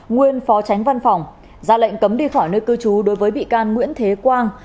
nguyên phó tránh văn phòng ra lệnh cấm đi khỏi nơi cư trú đối với bị can nguyễn thế quang